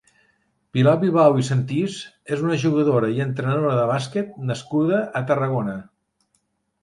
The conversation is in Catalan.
Pilar Bilbao i Sentís és una jugadora i entrenadora de bàsquet nascuda a Tarragona.